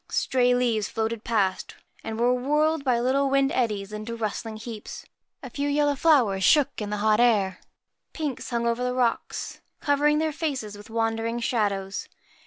Stray leaves floated past and were whirled by little wind eddies into rustling heaps. A few yellow flowers shook in the hot air. Pinks hung over the rocks, covering their faces with wandering shadows.